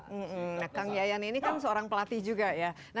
hmm kang yayan ini kan seorang pelatih juga ya